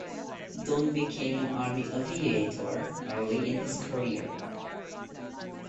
Don became an Army Aviator early in his career.